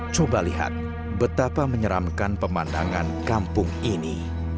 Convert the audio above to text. coba lihat betapa menyeramkan pemandangan kampung ini